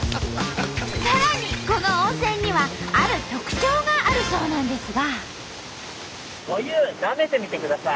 さらにこの温泉にはある特徴があるそうなんですが。